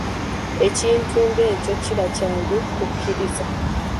Ekintu ng'ekyo kiba kyangu kukkiriza.